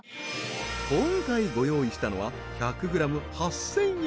今回ご用意したのは１００ｇ８０００円